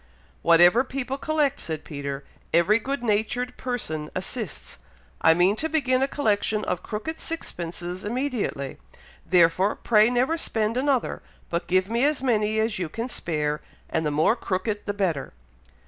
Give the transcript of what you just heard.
"Whatever people collect," said Peter, "every good natured person assists. I mean to begin a collection of crooked sixpences immediately; therefore, pray never spend another, but give me as many as you can spare; and the more crooked the better."